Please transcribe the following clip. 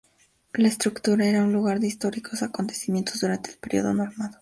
La estructura era un lugar de "históricos" acontecimientos durante el período normando.